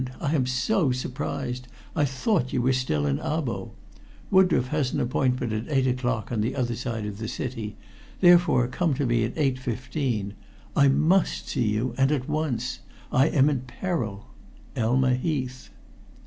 _I am so surprised. I thought you were still in Abo. Woodroffe has an appointment at eight o'clock on the other side of the city, therefore come to me at 8.15. I must see you, and at once. I am in peril_. ELMA HEATH.